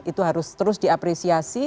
itu harus terus diapresiasi